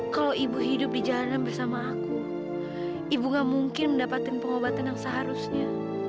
kalau ibu hidup di jalanan bersama aku ibu gak mungkin mendapatkan pengobatan yang seharusnya